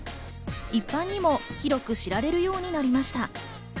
一般にも広く知られるようになりました。